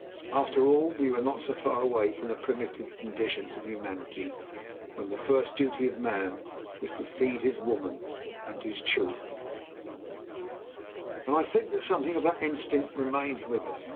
After all, we were not so far away from the primitive conditions of humanity, when the first duty of man was to feed his women and his children, and I think that something of that instinct remains with us.